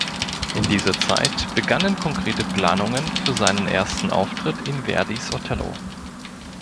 In dieser Zeit begannen konkrete Planungen für seinen ersten Auftritt in Verdis Otello.